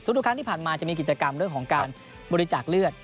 ทุกครั้งที่ผ่านมาจะมีกิจกรรมเรื่องของการบริจาคเลือด